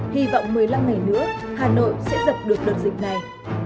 hy vọng một mươi năm ngày nữa hà nội sẽ dập được đợt dịch này